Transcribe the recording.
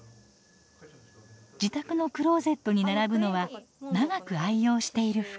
自宅のクローゼットに並ぶのは長く愛用している服。